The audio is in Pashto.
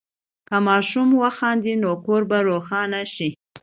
که ماشوم وخاندي، نو کور به روښانه شي.